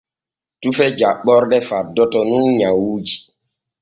Tufe jaɓɓorɗe faddoto nun nyawuuji.